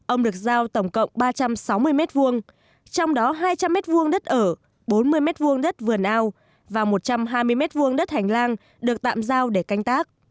ông được giao tổng cộng ba trăm sáu mươi mét vuông trong đó hai trăm linh mét vuông đất ở bốn mươi mét vuông đất vườn ao và một trăm hai mươi mét vuông đất hành lang được tạm giao để canh tác